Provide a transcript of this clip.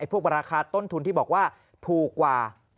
พวกราคาต้นทุนที่บอกว่าถูกกว่า